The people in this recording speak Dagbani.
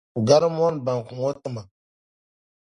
Gari mɔni bɔnku ŋɔ tima.